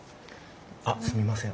あっすみません